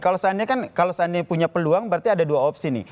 kalau seandainya kan kalau seandainya punya peluang berarti ada dua opsi nih